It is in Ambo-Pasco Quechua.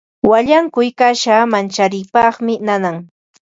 Wallankuy kasha mancharipaqmi nanan.